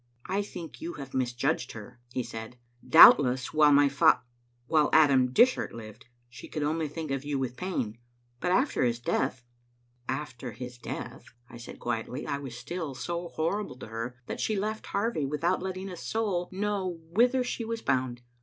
" I think you have misjudged her," he said. " Doubt less while my fa —, while Adam Dishart lived, she could only think of you with pain; but after his death " "After his death," I said quietly, " I was still so hor rible to her that she left Harvie without letting a soul Digitized by VjOOQ IC Second bournes to o:btumd* 800 know whither she was bound.